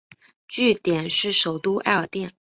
据点是首都艾尔甸。